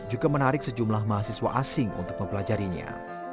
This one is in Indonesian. juga menarik sejumlah mahasiswa asing untuk mempelajarinya